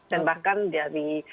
dan bahkan dari gedung putih sering